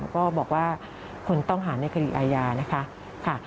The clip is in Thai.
ก็บอกว่าคนต้องหาในคดีอาญานะคะ